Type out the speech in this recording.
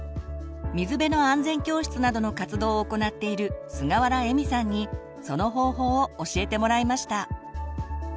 水辺の安全教室などの活動を行っているすがわらえみさんにその方法を教えてもらいました。